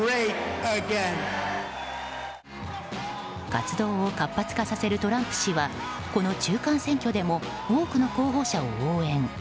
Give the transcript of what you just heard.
活動を活発化させるトランプ氏はこの中間選挙でも多くの候補者を応援。